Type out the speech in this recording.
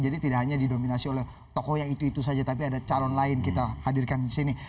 jadi tidak hanya didominasi oleh tokoh yang itu itu saja tapi ada calon lain kita hadirkan disini